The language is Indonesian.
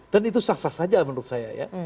dan itu sasah saja menurut saya ya